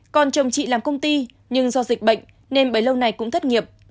còn chồng chị làm công ty nhưng do dịch bệnh nên bấy lâu nay cũng thất nghiệp